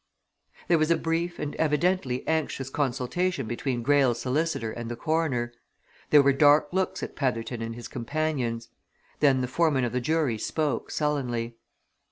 There was a brief and evidently anxious consultation between Greyle's solicitor and the coroner; there were dark looks at Petherton and his companions. Then the foreman of the jury spoke, sullenly.